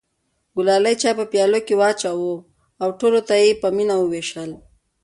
ګلالۍ چای په پیالو کې واچوه او ټولو ته یې په مینه وویشل.